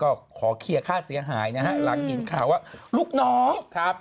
ก็ขอเคลียร์ค่าเสียหายนะฮะหลังเห็นข่าวว่าลูกน้องครับ